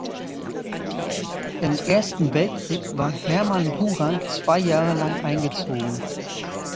Im Ersten Weltkrieg war Hermann Gura zwei Jahre lang eingezogen.